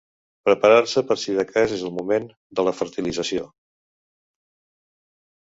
Preparar-se per si de cas és el moment de la fertilització.